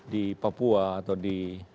di papua atau di